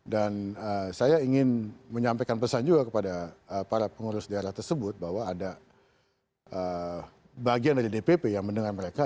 dan saya ingin menyampaikan pesan juga kepada para pengurus daerah tersebut bahwa ada bagian dari dpp yang mendengar mereka